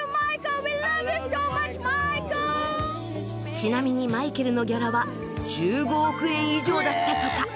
ちなみにマイケルのギャラは１５億円以上だったとか。